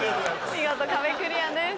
見事壁クリアです。